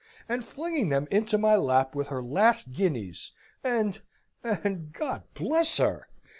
and flinging them into my lap with her last guineas, and and God bless her!"